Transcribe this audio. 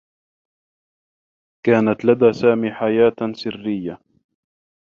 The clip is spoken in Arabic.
كانت لدى سامي حياة سرّيّة.